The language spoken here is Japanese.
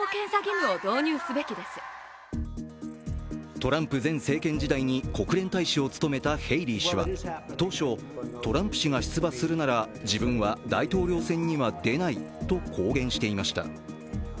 トランプ前政権時代に国連大使を務めたヘイリー氏は当初、トランプ氏が出馬するなら自分は大統領選には出ないと公言していました。